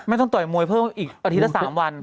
เราต้อยโมยเพิ่มอีกอาทิตย์ละ๓วัน